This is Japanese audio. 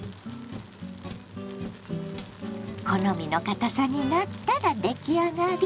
好みのかたさになったら出来上がり。